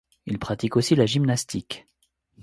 Il pratique aussi la gymnastique.